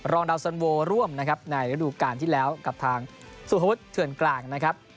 รองดาวสันโวร่งนะครับในฤดูกาลที่แล้วกลับทางสู่ภาพวุฒิเถือนกลางนะครับ